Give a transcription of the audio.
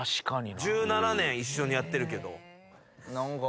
１７年一緒にやってるけど。